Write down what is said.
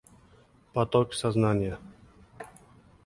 — Potok soznaniya!